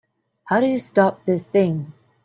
How do you stop this thing?